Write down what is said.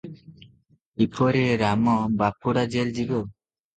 କିପରି ରାମ ବାପୁଡା ଜେଲ ଯିବ